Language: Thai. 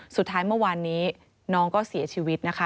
สุดท้ายเมื่อวานนี้น้องก็เสียชีวิตนะคะ